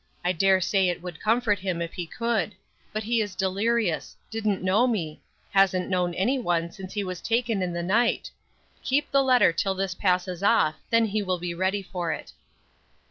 I dare say it would comfort him if he could; but he is delirious; didn't know me; hasn't known any one since he was taken in the night. Keep the letter till this passes off, then he will be ready for it."